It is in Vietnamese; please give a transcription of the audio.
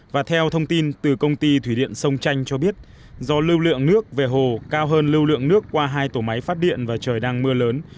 và theo thông tin từ công ty thủy điện sông chanh cho biết do lưu lượng nước về hồ cao hơn lưu lượng nước qua hai tổ máy phát điện và trời đang mưa lớn